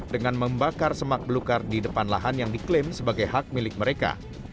dengan membakar semak belukar di depan lahan yang diklaim sebagai hak milik mereka